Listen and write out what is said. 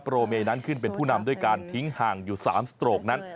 โรเมย์นั้นขึ้นเป็นผู้นำด้วยการทิ้งห่างอยู่๓สโตรกนั้น